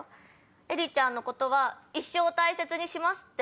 「エリちゃんのことは一生大切にします」って。